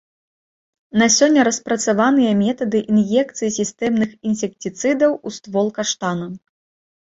На сёння распрацаваныя метады ін'екцыі сістэмных інсектыцыдаў у ствол каштана.